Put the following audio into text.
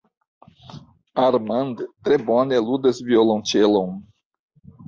Armand tre bone ludas violonĉelon.